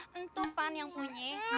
tentu pan yang punya